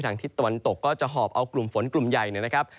ทิศตะวันตกก็จะหอบเอากลุ่มฝนกลุ่มใหญ่นะครับ